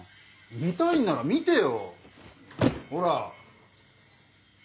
見たいんなら見てよほら！